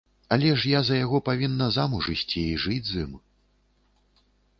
Але ж я за яго павінна замуж ісці і жыць з ім.